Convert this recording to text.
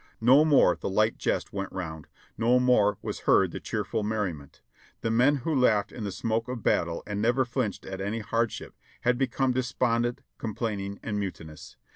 No more the light jest went round ; no more was heard tlie cheerful merriment; the men who laughed in the smoke of battle and never flinched at any hardship, had become despondent, com plaining and mutinous.